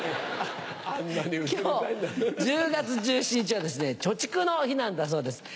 今日１０月１７日はですね貯蓄の日なんだそうです。